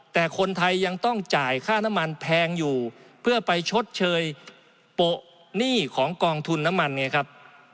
แต่คนไทยยังต้องจ่ายค่าน้ำมันแพงอยู่เพื่อไปชดเชยโปะหนี้ของกองทุนน้ำมันไงครับ